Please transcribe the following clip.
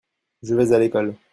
je vais à l'école.